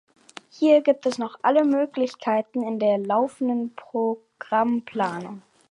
Hier gibt es noch alle Möglichkeiten in der laufenden Programmplanung.